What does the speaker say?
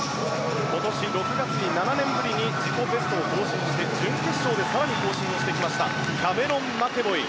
今年６月に７年ぶりに自己ベストを更新して準決勝で更に更新してきましたキャメロン・マケボイ。